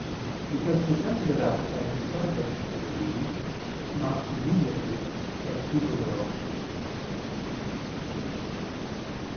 Because the sensitive appetite is subject to the reason, not immediately but through the will.